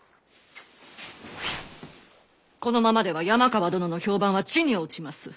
このままでは山川殿の評判は地に落ちます。